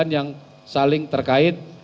sembilan yang saling terkait